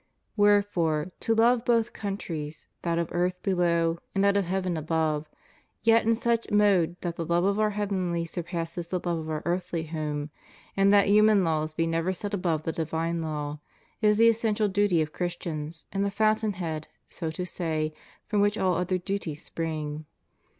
^ Wherefore, to love both countries, that of earth below and that of heaven above, yet in such mode that the love of our heavenly surpass the love of our earthly home, and that human laws be never set above the divine law, is the essential duty of Christians, and the fountain head, so to say, from which all other duties spring.